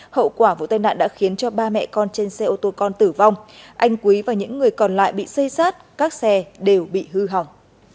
hậu quả vụ tai nạn đã khiến cho ba mẹ con trên xe ô tô con tử vong anh quý và những người còn lại bị xây sát các xe đều bị hư hỏng